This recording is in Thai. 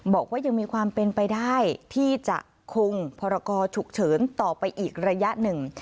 บอกว่ายังมีความเป็นไปได้ที่จะคงพรกรฉุกเฉินต่อไปอีกระยะหนึ่ง